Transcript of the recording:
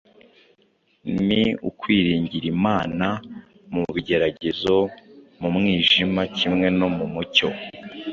ni ukwiringira Imana mu bigeragezo, mu mwijima kimwe no mu mucyo.